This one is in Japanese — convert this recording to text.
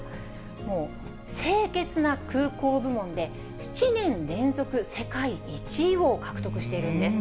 もう清潔な空港部門で、７年連続世界１位を獲得しているんです。